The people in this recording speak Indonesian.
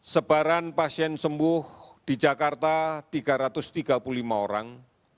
sebaran pasien sembuh di jakarta tiga ratus tiga puluh lima orang